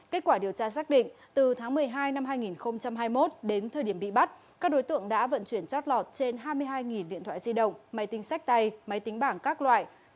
kết quả điều tra xác định từ tháng một mươi hai năm hai nghìn hai mươi một đến thời điểm bị bắt các đối tượng đã vận chuyển chót lọt trên hai mươi hai điện thoại di động máy tính sách tay máy tính bảng các loại